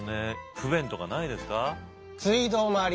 不便とかないですか？